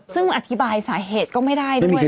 ซึ่งอธิบายสาเหตุก็ไม่ได้ด้วย